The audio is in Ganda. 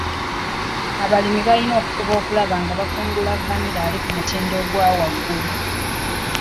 Abalimi balina okufuba okulaba nga bakungula vanilla ali ku mutindo ogwa waggulu.